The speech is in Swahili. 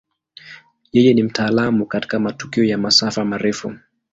Yeye ni mtaalamu katika matukio ya masafa marefu.